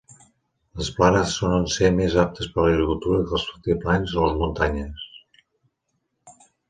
Les planes solen ser més aptes per l'agricultura que els altiplans o les muntanyes.